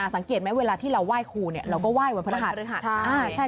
สังเกตไหมเวลาที่เราไหว้ครูเราก็ไหว้วันพระรหัสพฤหัส